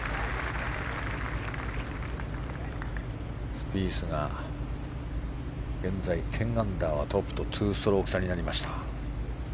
スピースが現在１０アンダーはトップと２ストローク差になりました。